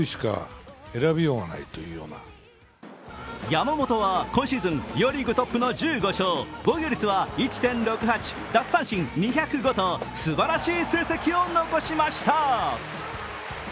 山本は今シーズン、両リーグトップの１５勝、防御率は１．６８、奪三振２０５とすばらしい成績を残しました。